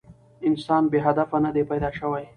انسان بې هدفه نه دی پيداشوی